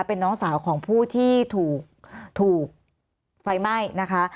เป็นน้องสาวของผู้ที่ถูกไฟไหม้นะคะ